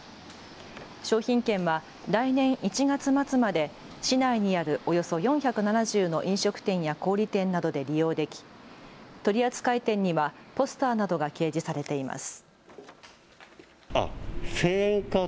商品券は来年１月末まで市内にあるおよそ４７０の飲食店や小売店などで利用でき取扱店にはポスターなどが掲示されています。